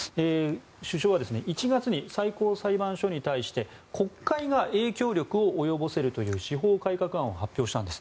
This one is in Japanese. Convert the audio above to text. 首相は１月に最高裁判所に対して国会が影響力を及ぼせるという司法改革案を発表したんです。